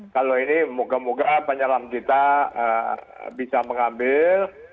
kalau ini moga moga penyelam kita bisa mengambil